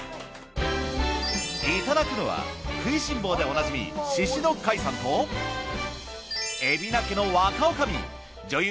いただくのは食いしん坊でおなじみ宍戸開さんと海老名家の若女将女優